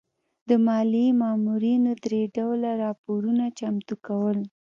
د مالیې مامورینو درې ډوله راپورونه چمتو کول.